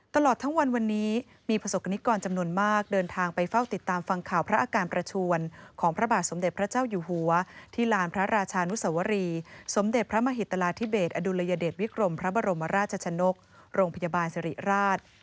ตลอดทั้งวันวันนี้มีประสบกรณิกรจำนวนมากเดินทางไปเฝ้าติดตามฟังข่าวพระอาการประชวนของพระบาทสมเด็จพระเจ้าอยู่หัวที่ลานพระราชานุสวรีสมเด็จพระมหิตราธิเบสอดุลยเดชวิกรมพระบรมราชชนกโรงพยาบาลสิริราช